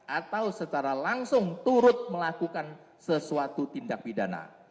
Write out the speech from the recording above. atau secara langsung turut melakukan sesuatu tindak pidana